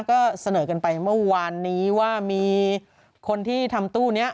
ก็เสนอกันไปเมื่อวานนี้ว่ามีคนที่ทำตู้นี้